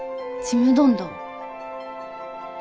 ちむどんどん？